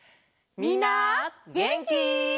みんなげんき？